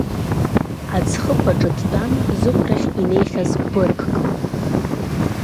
Аӡхықә аҿы дтәан зықәрахь инеихьаз быргк.